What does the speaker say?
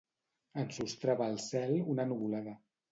Ensostrava el cel una nuvolada.